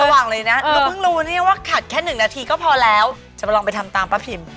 ว่างเลยนะหนูเพิ่งรู้เนี่ยว่าขัดแค่หนึ่งนาทีก็พอแล้วจะมาลองไปทำตามป้าพิม